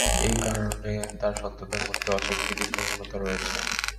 এ কারণে তার সন্তানদের মধ্যে অস্বীকৃতির প্রবণতা রয়েছে।